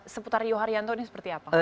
seputar rio haryanto ini seperti apa